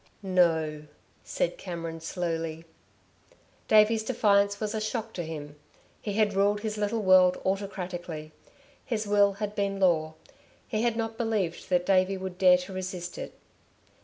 "No," said Cameron slowly. Davey's defiance was a shock to him. He had ruled his little world autocratically. His will had been law. He had not believed that Davey would dare to resist it.